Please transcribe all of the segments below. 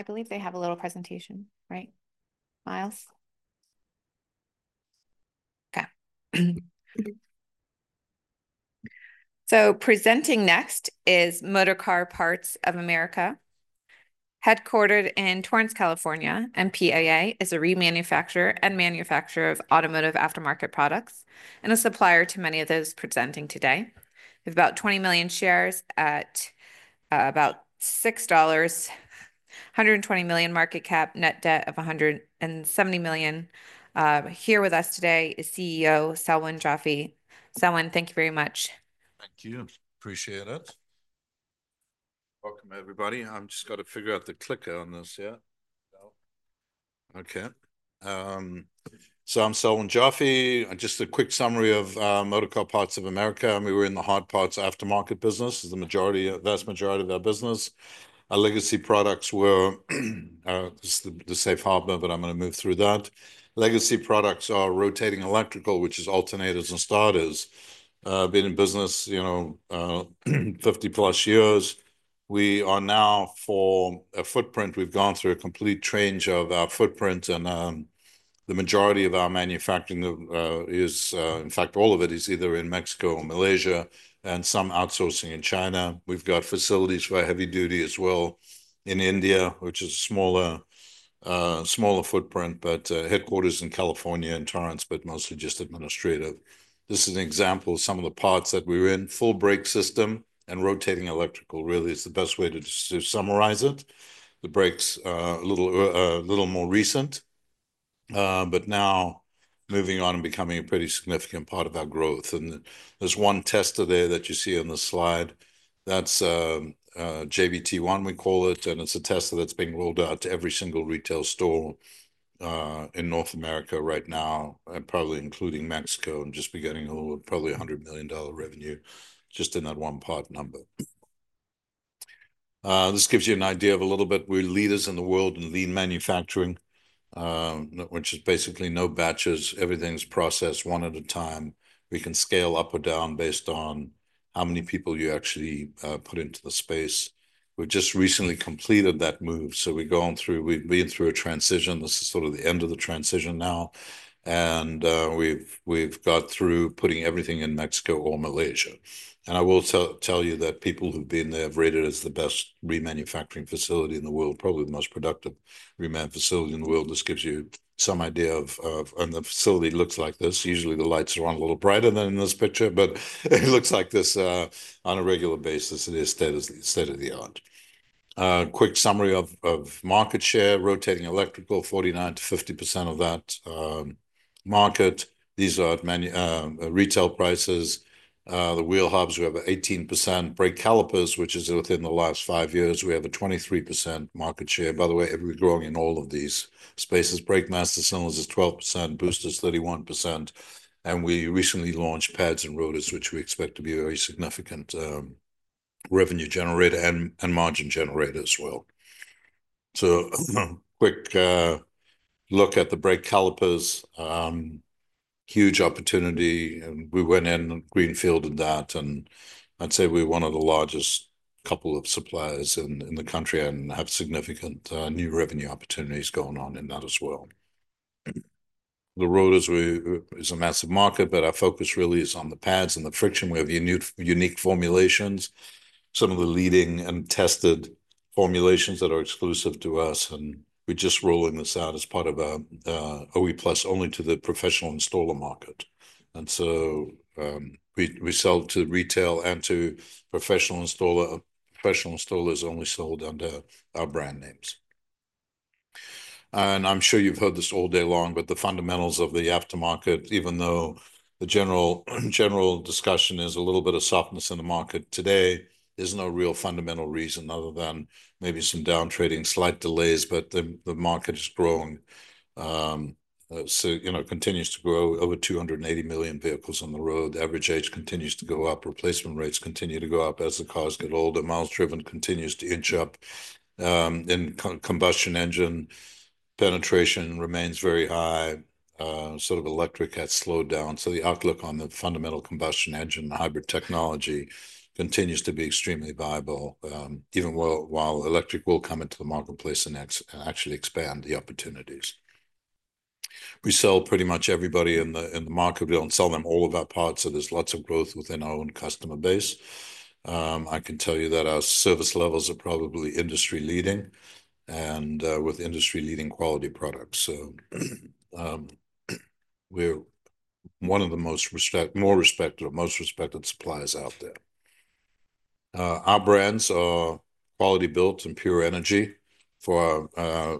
I believe they have a little presentation, right? Miles? Okay. So presenting next is Motorcar Parts of America, headquartered in Torrance, California. MPAA is a remanufacturer and manufacturer of automotive aftermarket products and a supplier to many of those presenting today. We have about 20 million shares at about $6, $120 million market cap, net debt of $170 million. Here with us today is CEO Selwyn Joffe. Selwyn, thank you very much. Thank you. Appreciate it. Welcome, everybody. I've just got to figure out the clicker on this. Yeah. Okay. So I'm Selwyn Joffe. Just a quick summary of Motorcar Parts of America. We were in the hard parts aftermarket business, the vast majority of our business. Our legacy products were. This is the safe harbor, but I'm going to move through that. Legacy products are rotating electrical, which is alternators and starters. Been in business, you know, 50-plus years. We are now, for a footprint, we've gone through a complete change of our footprint, and the majority of our manufacturing is, in fact, all of it is either in Mexico or Malaysia, and some outsourcing in China. We've got facilities for heavy duty as well in India, which is a smaller footprint, but headquarters in California and Torrance, but mostly just administrative. This is an example of some of the parts that we're in: full brake system and rotating electrical. Really, it's the best way to summarize it. The brakes are a little more recent, but now moving on and becoming a pretty significant part of our growth. And there's one tester there that you see on the slide. That's JBT-1, we call it, and it's a tester that's being rolled out to every single retail store in North America right now, and probably including Mexico, and just beginning a little, probably $100 million revenue just in that one part number. This gives you an idea of a little bit. We're leaders in the world in lean manufacturing, which is basically no batches. Everything's processed one at a time. We can scale up or down based on how many people you actually put into the space. We've just recently completed that move. We're going through. We've been through a transition. This is sort of the end of the transition now. We've got through putting everything in Mexico or Malaysia. I will tell you that people who've been there have rated it as the best remanufacturing facility in the world, probably the most productive remanufacturing facility in the world. This gives you some idea of the facility looks like this. Usually, the lights are on a little brighter than in this picture, but it looks like this on a regular basis. It is state-of-the-art. Quick summary of market share: rotating electrical, 49%-50% of that market. These are retail prices. The wheel hubs, we have 18%. Brake calipers, which is within the last five years, we have a 23% market share. By the way, we're growing in all of these spaces. Brake master cylinders is 12%, boosters 31%. And we recently launched pads and rotors, which we expect to be a very significant revenue generator and margin generator as well, so quick look at the brake calipers. Huge opportunity, and we went in greenfield in that, and I'd say we're one of the largest couple of suppliers in the country and have significant new revenue opportunities going on in that as well. The rotors is a massive market, but our focus really is on the pads and the friction. We have unique formulations, some of the leading and tested formulations that are exclusive to us, and we're just rolling this out as part of our OE Plus only to the professional installer market, and so we sell to retail and to professional installer. Professional installer is only sold under our brand names. I'm sure you've heard this all day long, but the fundamentals of the aftermarket, even though the general discussion is a little bit of softness in the market today, there's no real fundamental reason other than maybe some downtrading, slight delays, but the market is growing. So, you know, it continues to grow over 280 million vehicles on the road. The average age continues to go up. Replacement rates continue to go up as the cars get older. Miles driven continues to inch up. And combustion engine penetration remains very high. Sort of electric has slowed down. So the outlook on the fundamental combustion engine and hybrid technology continues to be extremely viable, even while electric will come into the marketplace and actually expand the opportunities. We sell pretty much everybody in the market. We don't sell them all of our parts, so there's lots of growth within our own customer base. I can tell you that our service levels are probably industry-leading and with industry-leading quality products, so we're one of the most respected, most respected suppliers out there. Our brands are Quality-Built and Pure Energy for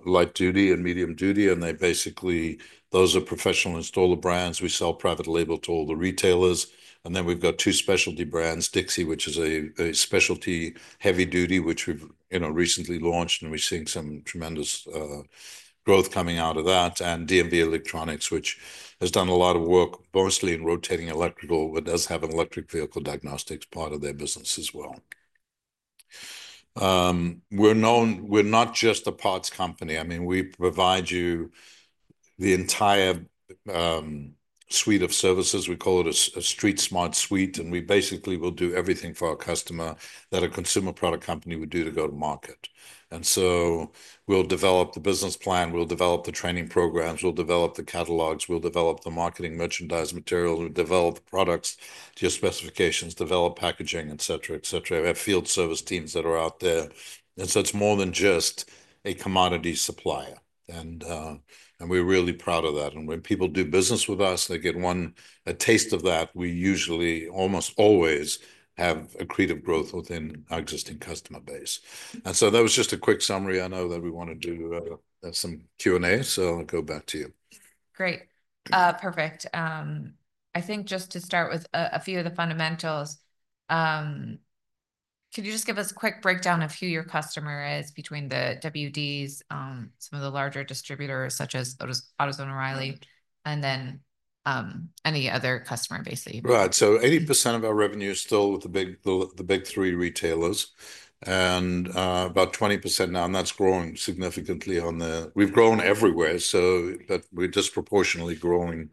light-duty and medium-duty, and basically, those are professional installer brands. We sell private label to all the retailers, and then we've got two specialty brands, Dixie, which is a specialty heavy-duty, which we've recently launched, and we're seeing some tremendous growth coming out of that, and D&V Electronics, which has done a lot of work, mostly in rotating electrical, but does have an electric vehicle diagnostics part of their business as well. We're not just a parts company. I mean, we provide you the entire suite of services. We call it the Street Smart Suite, and we basically will do everything for our customer that a consumer product company would do to go to market. And so we'll develop the business plan. We'll develop the training programs. We'll develop the catalogs. We'll develop the marketing merchandise material. We'll develop products to your specifications, develop packaging, etc., etc. We have field service teams that are out there. And so it's more than just a commodity supplier. And we're really proud of that. And when people do business with us, they get one taste of that. We usually almost always have a captive growth within our existing customer base. And so that was just a quick summary. I know that we want to do some Q&A, so I'll go back to you. Great. Perfect. I think just to start with a few of the fundamentals, could you just give us a quick breakdown of who your customer is between the WDs, some of the larger distributors such as AutoZone and O'Reilly, and then any other customer basically? Right. So 80% of our revenue is still with the Big Three retailers and about 20% now. And that's growing significantly on the—we've grown everywhere, but we're disproportionately growing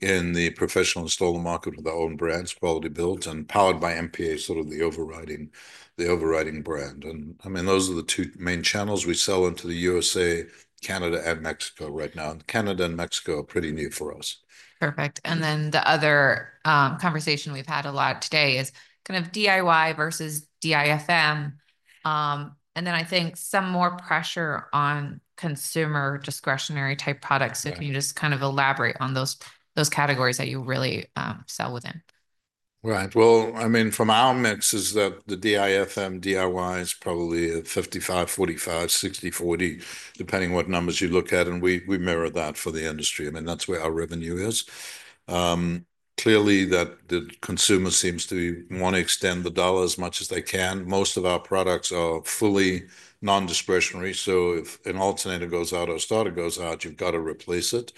in the professional installer market with our own brands, Quality-Built, and Powered by MPA, sort of the overriding brand. And I mean, those are the two main channels we sell into the USA, Canada, and Mexico right now. Canada and Mexico are pretty new for us. Perfect. And then the other conversation we've had a lot today is kind of DIY versus DIFM. And then I think some more pressure on consumer discretionary type products. So can you just kind of elaborate on those categories that you really sell within? Right, well, I mean, from our mixes that the DIFM, DIY is probably a 55, 45, 60, 40, depending on what numbers you look at, and we mirror that for the industry. I mean, that's where our revenue is. Clearly, the consumer seems to want to extend the dollar as much as they can. Most of our products are fully non-discretionary. So if an alternator goes out or a starter goes out, you've got to replace it.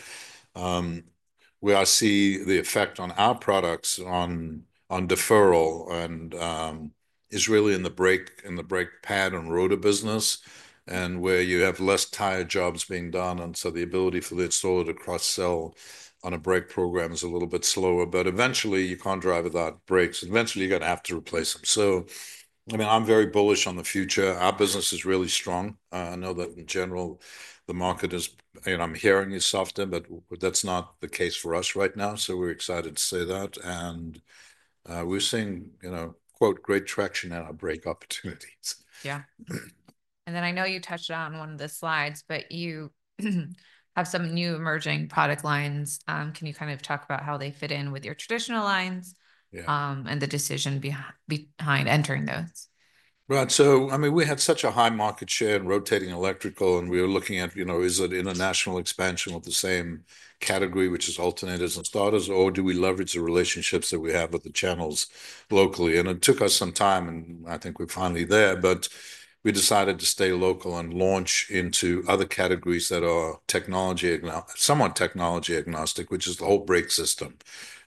Where I see the effect on our products on deferral is really in the brake pad and rotor business, and where you have less tire jobs being done, and so the ability for the installer to cross-sell on a brake program is a little bit slower. But eventually, you can't drive without brakes. Eventually, you're going to have to replace them, so I mean, I'm very bullish on the future. Our business is really strong. I know that in general, the market is, and I'm hearing you soften, but that's not the case for us right now. So we're excited to say that. And we're seeing, quote, great traction in our brake opportunities. Yeah. And then I know you touched on one of the slides, but you have some new emerging product lines. Can you kind of talk about how they fit in with your traditional lines and the decision behind entering those? Right. So I mean, we had such a high market share in rotating electrical, and we were looking at, you know, is it international expansion with the same category, which is alternators and starters, or do we leverage the relationships that we have with the channels locally? And it took us some time, and I think we're finally there, but we decided to stay local and launch into other categories that are somewhat technology agnostic, which is the whole brake system.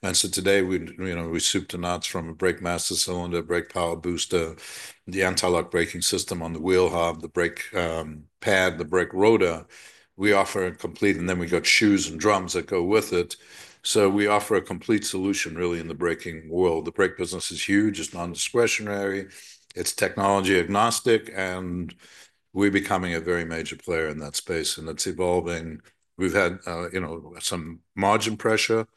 And so today, we soup to nuts from a brake master cylinder, brake power booster, the anti-lock braking system on the wheel hub, the brake pad, the brake rotor. We offer a complete, and then we got shoes and drums that go with it. So we offer a complete solution, really, in the braking world. The brake business is huge. It's non-discretionary. It's technology agnostic. And we're becoming a very major player in that space. And it's evolving. We've had some margin pressure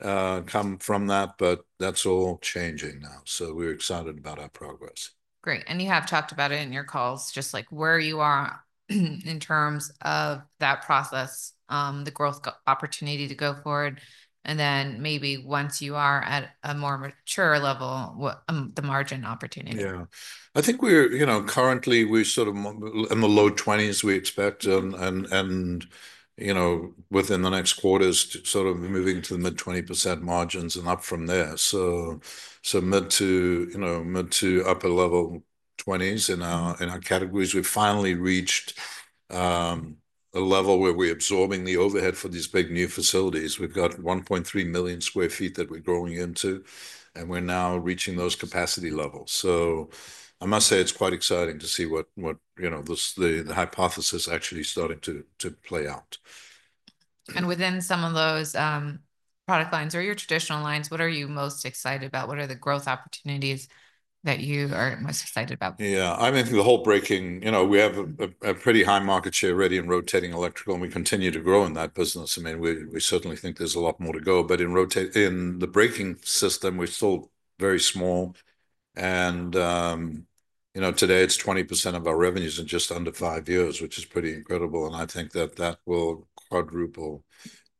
come from that, but that's all changing now. So we're excited about our progress. Great, and you have talked about it in your calls, just like where you are in terms of that process, the growth opportunity to go forward, and then maybe once you are at a more mature level, the margin opportunity. Yeah. I think we're currently—we're sort of in the low 20s, we expect, and within the next quarters, sort of moving to the mid 20% margins and up from there. So mid- to upper-level 20s in our categories. We've finally reached a level where we're absorbing the overhead for these big new facilities. We've got 1.3 million sq ft that we're growing into. And we're now reaching those capacity levels. So I must say it's quite exciting to see what the hypothesis is actually starting to play out. Within some of those product lines or your traditional lines, what are you most excited about? What are the growth opportunities that you are most excited about? Yeah. I mean, the whole braking, we have a pretty high market share already in rotating electrical, and we continue to grow in that business. I mean, we certainly think there's a lot more to go. But in the braking system, we're still very small. And today, it's 20% of our revenues in just under five years, which is pretty incredible. And I think that that will quadruple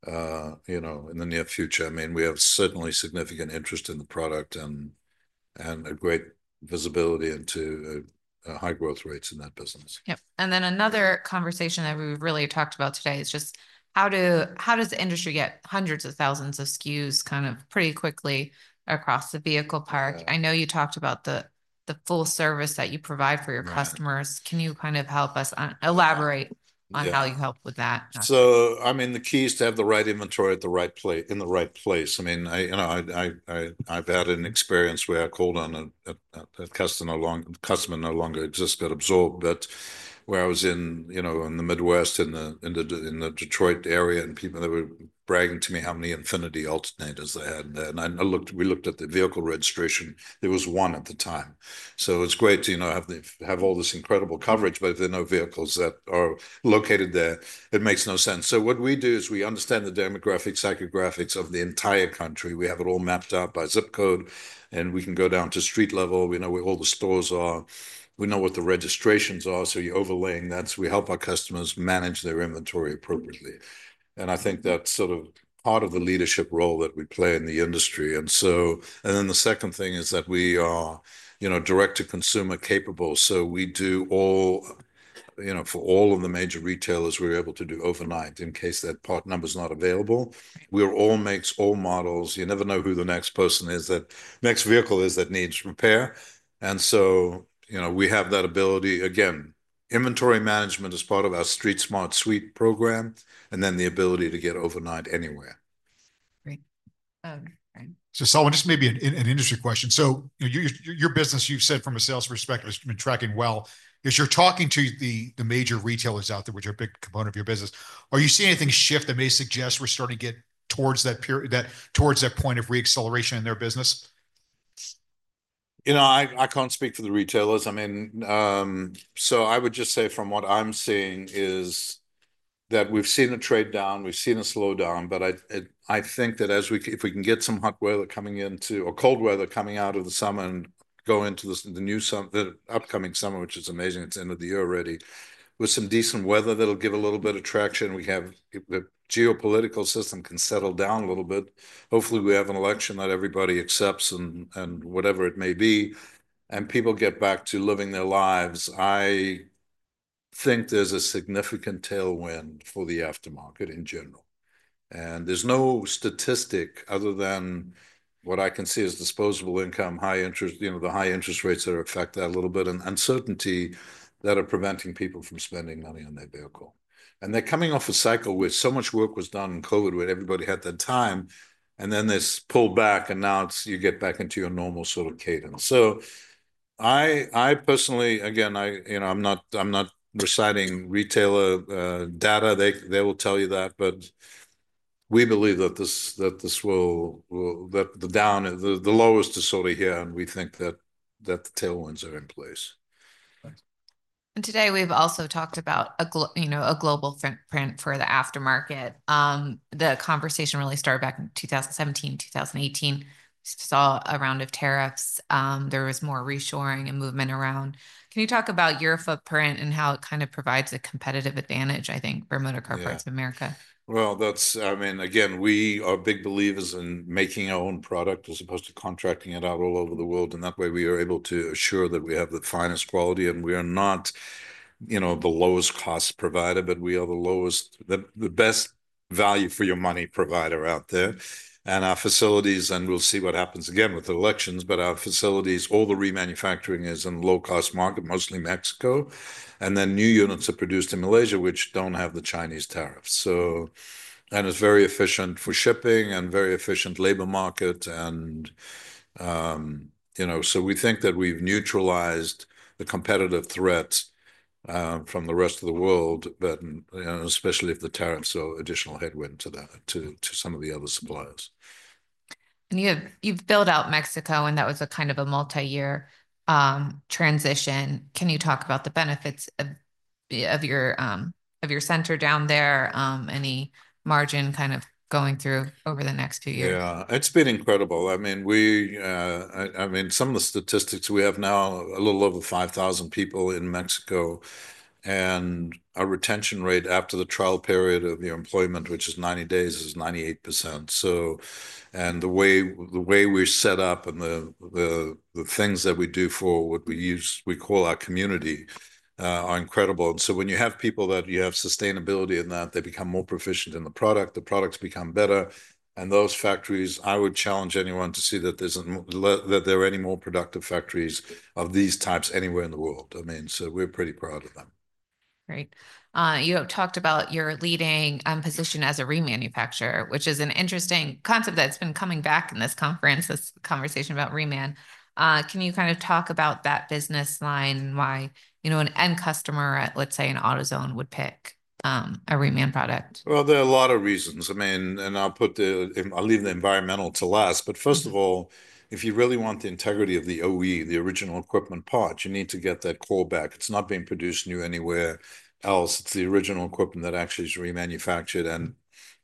in the near future. I mean, we have certainly significant interest in the product and a great visibility into high growth rates in that business. Yep. And then another conversation that we've really talked about today is just how does the industry get hundreds of thousands of SKUs kind of pretty quickly across the vehicle park? I know you talked about the full service that you provide for your customers. Can you kind of help us elaborate on how you help with that? So I mean, the key is to have the right inventory at the right place in the right place. I mean, I've had an experience where I called on a customer, customer no longer exists, got absorbed. But where I was in the Midwest in the Detroit area, and people were bragging to me how many Infiniti alternators they had there. And we looked at the vehicle registration. There was one at the time. So it's great to have all this incredible coverage, but if there are no vehicles that are located there, it makes no sense. So what we do is we understand the demographics, psychographics of the entire country. We have it all mapped out by zip code. And we can go down to street level. We know where all the stores are. We know what the registrations are. So you're overlaying that. So we help our customers manage their inventory appropriately. And I think that's sort of part of the leadership role that we play in the industry. And then the second thing is that we are direct-to-consumer capable. So we do all for all of the major retailers, we're able to do overnight in case that part number's not available. We're all makes all models. You never know who the next person is, that next vehicle is that needs repair. And so we have that ability. Again, inventory management is part of our Street Smart Suite program, and then the ability to get overnight anywhere. Great. Selwyn, just maybe an industry question. Your business, you've said from a sales perspective, it's been tracking well. As you're talking to the major retailers out there, which are a big component of your business, are you seeing anything shift that may suggest we're starting to get towards that point of re-acceleration in their business? You know, I can't speak for the retailers. I mean, so I would just say from what I'm seeing is that we've seen a trade down. We've seen a slowdown. But I think that if we can get some hot weather coming into or cold weather coming out of the summer and go into the upcoming summer, which is amazing, it's the end of the year already, with some decent weather that'll give a little bit of traction, we have the geopolitical system can settle down a little bit. Hopefully, we have an election that everybody accepts and whatever it may be, and people get back to living their lives. I think there's a significant tailwind for the aftermarket in general. And there's no statistic other than what I can see as disposable income, high interest, the high interest rates that affect that a little bit, and uncertainty that are preventing people from spending money on their vehicle. And they're coming off a cycle where so much work was done in COVID, where everybody had their time, and then they pull back, and now you get back into your normal sort of cadence. So I personally, again, I'm not reciting retailer data. They will tell you that. But we believe that this will, that the lowest is sort of here, and we think that the tailwinds are in place. And today, we've also talked about a global footprint for the aftermarket. The conversation really started back in 2017, 2018. We saw a round of tariffs. There was more reshoring and movement around. Can you talk about your footprint and how it kind of provides a competitive advantage, I think, for Motorcar Parts of America? Well, I mean, again, we are big believers in making our own product as opposed to contracting it out all over the world. And that way, we are able to assure that we have the finest quality. And we are not the lowest cost provider, but we are the lowest, the best value for your money provider out there. And our facilities, and we'll see what happens again with the elections, but our facilities, all the remanufacturing is in low-cost market, mostly Mexico. And then new units are produced in Malaysia, which don't have the Chinese tariffs. And it's very efficient for shipping and very efficient labor market. And so we think that we've neutralized the competitive threat from the rest of the world, but especially if the tariffs are additional headwind to some of the other suppliers. And you've built out Mexico, and that was a kind of a multi-year transition. Can you talk about the benefits of your center down there? Any margin kind of going through over the next few years? Yeah. It's been incredible. I mean, some of the statistics we have now, a little over 5,000 people in Mexico, and our retention rate after the trial period of your employment, which is 90 days, is 98%, and the way we're set up and the things that we do for what we call our community are incredible, and so when you have people that you have sustainability in that, they become more proficient in the product. The products become better, and those factories, I would challenge anyone to see that there are any more productive factories of these types anywhere in the world. I mean, so we're pretty proud of them. Great. You have talked about your leading position as a remanufacturer, which is an interesting concept that's been coming back in this conference, this conversation about reman. Can you kind of talk about that business line and why an end customer, let's say an AutoZone, would pick a reman product? Well, there are a lot of reasons. I mean, and I'll leave the environmental to last. But first of all, if you really want the integrity of the OE, the original equipment part, you need to get that core back. It's not being produced new anywhere else. It's the original equipment that actually is remanufactured. And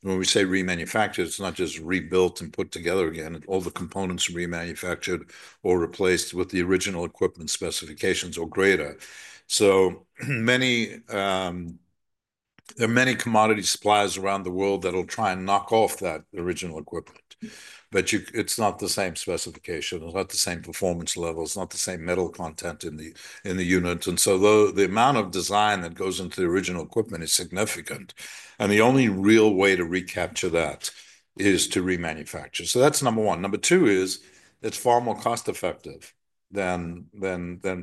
when we say remanufactured, it's not just rebuilt and put together again. All the components are remanufactured or replaced with the original equipment specifications or greater. So there are many commodity suppliers around the world that will try and knock off that original equipment. But it's not the same specification. It's not the same performance level. It's not the same metal content in the unit. And so the amount of design that goes into the original equipment is significant. And the only real way to recapture that is to remanufacture. So that's number one. Number two is it's far more cost-effective than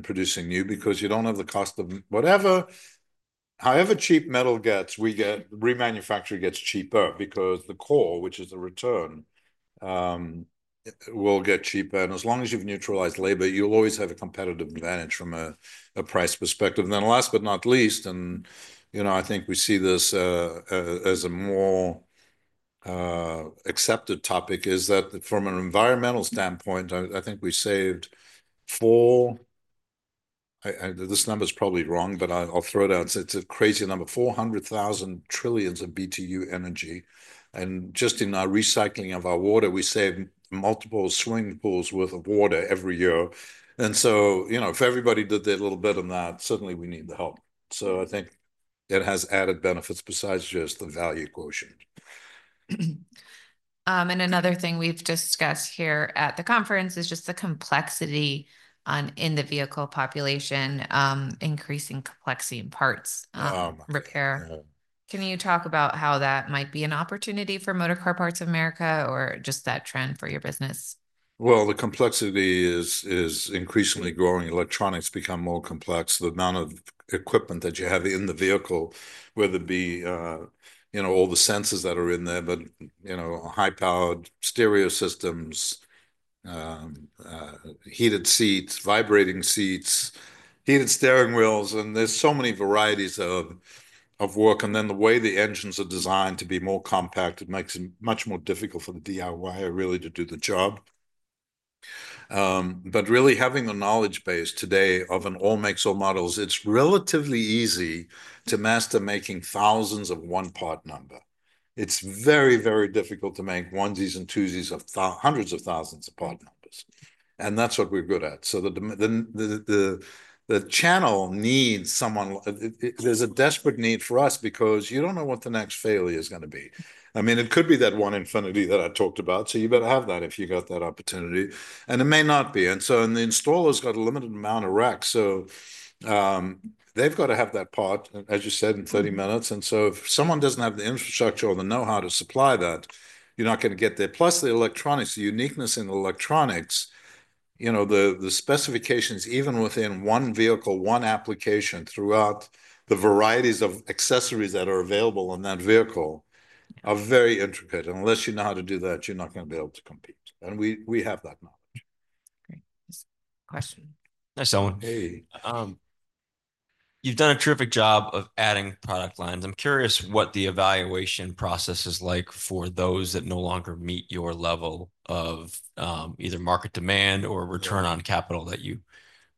producing new because you don't have the cost of whatever. However cheap metal gets, remanufacturing gets cheaper because the core, which is the return, will get cheaper, and as long as you've neutralized labor, you'll always have a competitive advantage from a price perspective, and then last but not least, and I think we see this as a more accepted topic, is that from an environmental standpoint, I think we saved four (this number is probably wrong, but I'll throw it out). It's a crazy number: 400,000 trillions of BTU energy, and just in our recycling of our water, we save multiple swimming pools' worth of water every year, and so if everybody did their little bit on that, certainly we need the help, so I think it has added benefits besides just the value quotient. And another thing we've discussed here at the conference is just the complexity in the vehicle population, increasing complexity in parts repair. Can you talk about how that might be an opportunity for Motorcar Parts of America or just that trend for your business? The complexity is increasingly growing. Electronics become more complex. The amount of equipment that you have in the vehicle, whether it be all the sensors that are in there, but high-powered stereo systems, heated seats, vibrating seats, heated steering wheels, and there's so many varieties of work. Then the way the engines are designed to be more compact, it makes it much more difficult for the DIYer really to do the job. Really having a knowledge base today of an all-makes-all models, it's relatively easy to master making thousands of one-part number. It's very, very difficult to make onesies and twosies of hundreds of thousands of part numbers. That's what we're good at. The channel needs someone. There's a desperate need for us because you don't know what the next failure is going to be. I mean, it could be that one Infiniti that I talked about. So you better have that if you got that opportunity. And it may not be. And so the installer's got a limited amount of rack. So they've got to have that part, as you said, in 30 minutes. And so if someone doesn't have the infrastructure or the know-how to supply that, you're not going to get there. Plus, the electronics, the uniqueness in the electronics, the specifications, even within one vehicle, one application throughout the varieties of accessories that are available in that vehicle are very intricate. Unless you know how to do that, you're not going to be able to compete. And we have that knowledge. Great. Question. Hi, Selwyn. Hey. You've done a terrific job of adding product lines. I'm curious what the evaluation process is like for those that no longer meet your level of either market demand or return on capital that you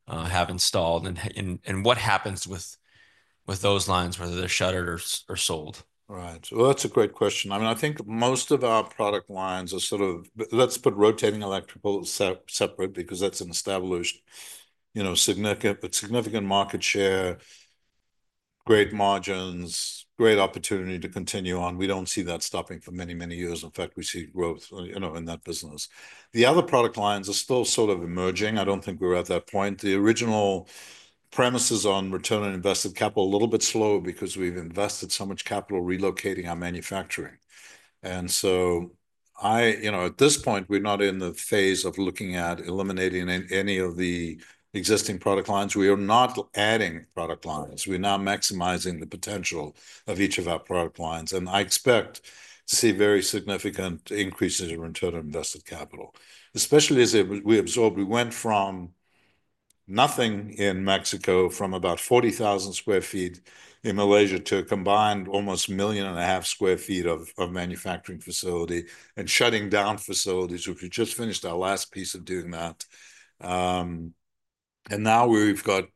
have installed? And what happens with those lines, whether they're shuttered or sold? Right. That's a great question. I mean, I think most of our product lines are sort of, let's put Rotating Electrical separate because that's an established significant market share, great margins, great opportunity to continue on. We don't see that stopping for many, many years. In fact, we see growth in that business. The other product lines are still sort of emerging. I don't think we're at that point. The original premises on return on invested capital are a little bit slow because we've invested so much capital relocating our manufacturing. So at this point, we're not in the phase of looking at eliminating any of the existing product lines. We are not adding product lines. We're now maximizing the potential of each of our product lines. I expect to see very significant increases in return on invested capital, especially as we absorbed. We went from nothing in Mexico, from about 40,000 sq ft in Malaysia, to a combined almost 1.5 million sq ft of manufacturing facility and shutting down facilities. We've just finished our last piece of doing that. Now we've got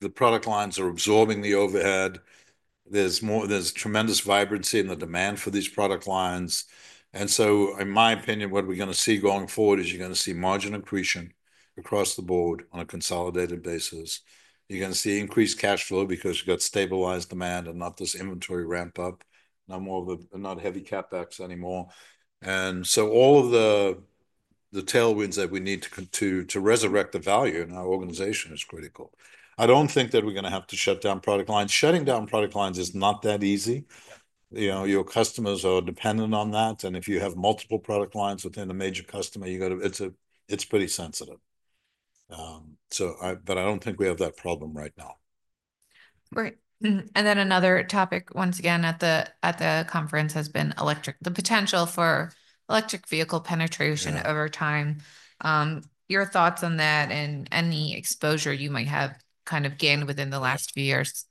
the product lines are absorbing the overhead. There's tremendous vibrancy in the demand for these product lines. So, in my opinion, what we're going to see going forward is you're going to see margin accretion across the board on a consolidated basis. You're going to see increased cash flow because you've got stabilized demand and not this inventory ramp-up, not heavy CapEx anymore. So all of the tailwinds that we need to resurrect the value in our organization is critical. I don't think that we're going to have to shut down product lines. Shutting down product lines is not that easy. Your customers are dependent on that. And if you have multiple product lines within a major customer, it's pretty sensitive. But I don't think we have that problem right now. Great. And then another topic, once again, at the conference has been the potential for electric vehicle penetration over time. Your thoughts on that and any exposure you might have kind of gained within the last few years?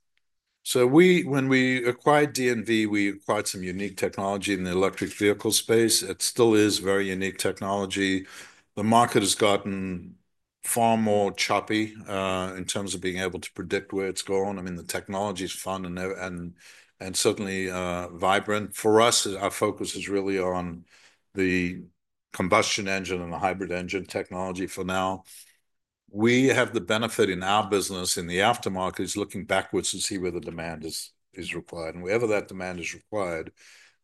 So when we acquired D&V, we acquired some unique technology in the electric vehicle space. It still is very unique technology. The market has gotten far more choppy in terms of being able to predict where it's going. I mean, the technology is fun and certainly vibrant. For us, our focus is really on the combustion engine and the hybrid engine technology for now. We have the benefit in our business in the aftermarket is looking backwards to see where the demand is required. And wherever that demand is required,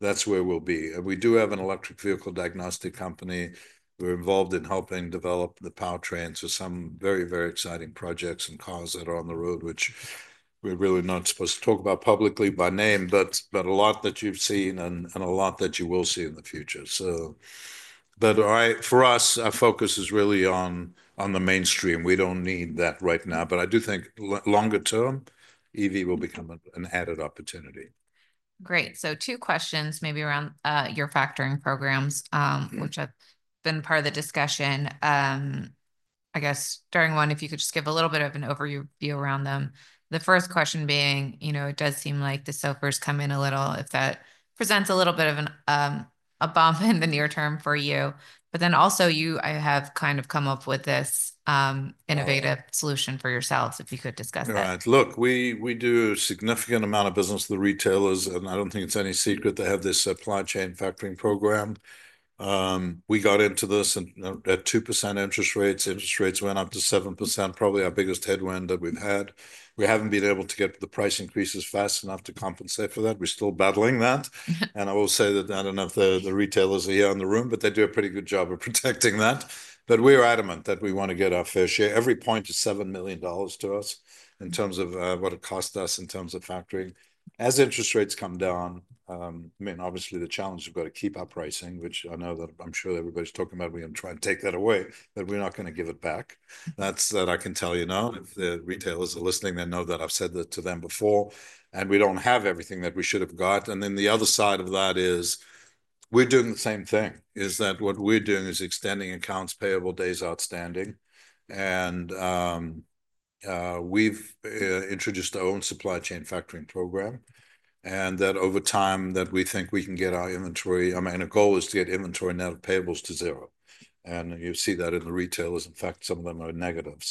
that's where we'll be. And we do have an electric vehicle diagnostic company. We're involved in helping develop the powertrains for some very, very exciting projects and cars that are on the road, which we're really not supposed to talk about publicly by name, but a lot that you've seen and a lot that you will see in the future. But for us, our focus is really on the mainstream. We don't need that right now. But I do think longer term, EV will become an added opportunity. Great. So two questions, maybe around your factoring programs, which have been part of the discussion. I guess, during one, if you could just give a little bit of an overview around them. The first question being, it does seem like the SOFR come in a little, if that presents a little bit of a bump in the near term for you. But then also, you have kind of come up with this innovative solution for yourself, if you could discuss that. Right. Look, we do a significant amount of business with the retailers. And I don't think it's any secret they have this supply chain factoring program. We got into this at 2% interest rates. Interest rates went up to 7%, probably our biggest headwind that we've had. We haven't been able to get the price increases fast enough to compensate for that. We're still battling that. And I will say that I don't know if the retailers are here in the room, but they do a pretty good job of protecting that. But we are adamant that we want to get our fair share. Every point is $7 million to us in terms of what it costs us in terms of factoring. As interest rates come down, I mean, obviously, the challenge we've got to keep up pricing, which I know that I'm sure everybody's talking about. We're going to try and take that away, but we're not going to give it back. That's that, I can tell you now. If the retailers are listening, they know that I've said that to them before, and we don't have everything that we should have got, and then the other side of that is we're doing the same thing, is that what we're doing is extending accounts payable days outstanding, and we've introduced our own supply chain factoring program, and that over time, we think we can get our inventory, I mean, our goal is to get inventory net payables to zero, and you see that in the retailers. In fact, some of them are negative,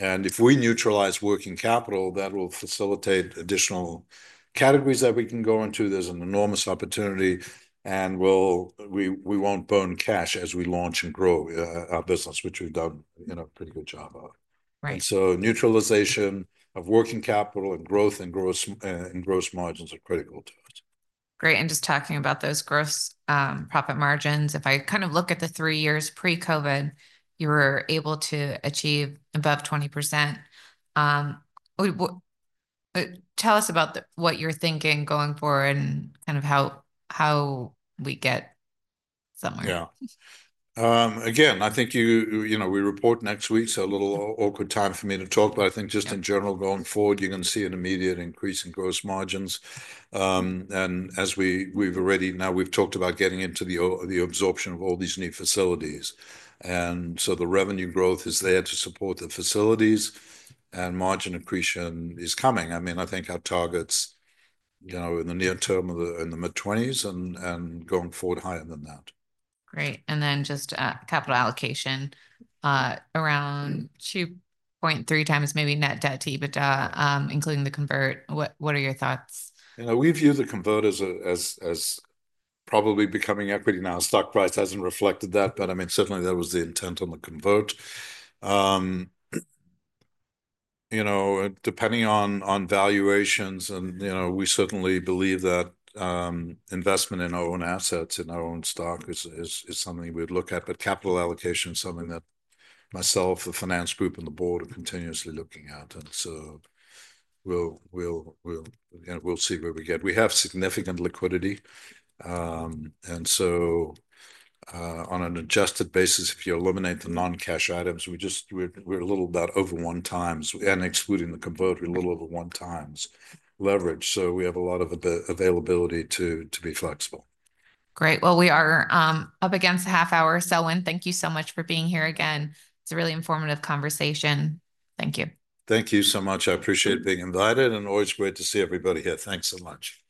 and if we neutralize working capital, that will facilitate additional categories that we can go into. There's an enormous opportunity. We won't burn cash as we launch and grow our business, which we've done a pretty good job of. So neutralization of working capital and growth and gross margins are critical to us. Great and just talking about those gross profit margins, if I kind of look at the three years pre-COVID, you were able to achieve above 20%. Tell us about what you're thinking going forward and kind of how we get somewhere? Yeah. Again, I think we report next week. So a little awkward time for me to talk. But I think just in general, going forward, you're going to see an immediate increase in gross margins. And as we've already now, we've talked about getting into the absorption of all these new facilities. And so the revenue growth is there to support the facilities. And margin accretion is coming. I mean, I think our targets in the near term are in the mid-20s and going forward higher than that. Great. And then just capital allocation around 2.3 times maybe net debt to EBITDA, including the convert. What are your thoughts? We view the convert as probably becoming equity. Now, our stock price hasn't reflected that. But I mean, certainly, that was the intent on the convert. Depending on valuations, and we certainly believe that investment in our own assets, in our own stock, is something we'd look at. But capital allocation is something that myself, the finance group, and the board are continuously looking at. And so we'll see where we get. We have significant liquidity. And so on an adjusted basis, if you eliminate the non-cash items, we're a little about over one times. And excluding the convert, we're a little over one times leverage. So we have a lot of availability to be flexible. Great. Well, we are up against a half hour, Selwyn. Thank you so much for being here again. It's a really informative conversation. Thank you. Thank you so much. I appreciate being invited and always great to see everybody here. Thanks so much.